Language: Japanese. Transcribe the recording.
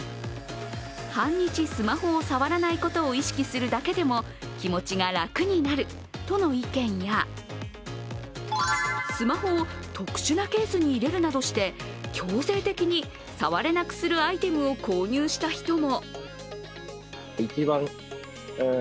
半日スマホを触らないことを意識するだけでも気持ちが楽になるとの意見やスマホを特殊なケースに入れるなどして強制的に触れなくするアイテムを購入した人も。